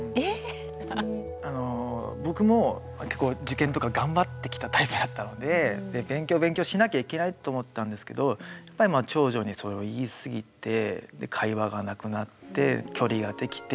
僕も結構受験とか頑張ってきたタイプだったので勉強勉強しなきゃいけないと思ったんですけどやっぱり長女にそれを言い過ぎて会話がなくなって距離ができてみたいな。